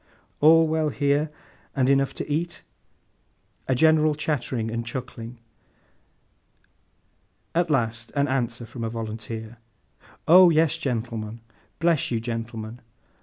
'All well here? And enough to eat?' A general chattering and chuckling; at last an answer from a volunteer. 'Oh yes, gentleman! Bless you, gentleman!